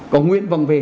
có nguyện vòng về